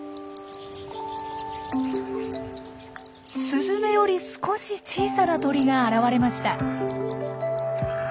スズメより少し小さな鳥が現れました。